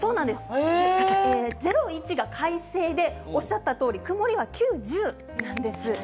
０、１が快晴おっしゃったとおり曇りは９と１０なんです。